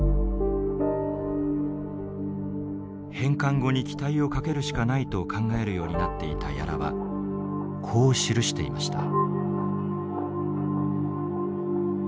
返還後に期待をかけるしかないと考えるようになっていた屋良はこう記していました。